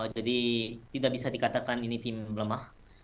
jadi tidak bisa dikatakan ini tim lemah